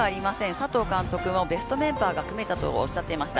佐藤監督もベストメンバーが組めたとおっしゃっていました。